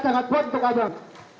sangat kuat untuk ajang